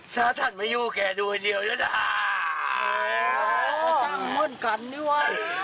ถ้าฉันไม่ยู่แกดูเลยเดี๋ยวน่ะนะนี่ว่ะ